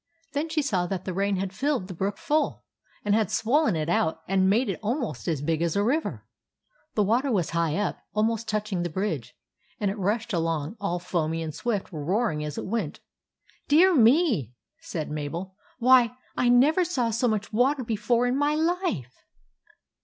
Then she saw that the rain had filled the brook full, and had swollen it out and made it almost as big as a river. The water was high up, almost touching the bridge, and it rushed along all foamy and swift, roaring as it went. " Dear me !" said Mabel. " Why, I never saw so much water before in my life